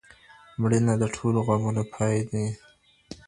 مړینه د ټولو غمونو پای دی.